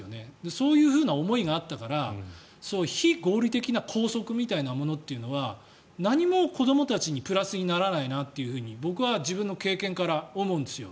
そういうふうな思いがあったから非合理的な校則みたいなものというのは何も子どもたちにプラスにならないなと僕は自分の経験から思うんですよ。